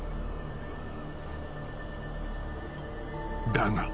［だが